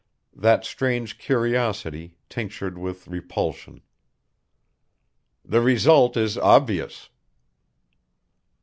That strange curiosity, tinctured with repulsion! "The result is obvious."